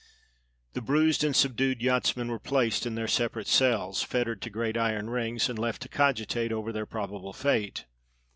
The bruised and subdued yachtsmen were placed in their separate cells, fettered to great iron rings, and left to cogitate over their probable fate.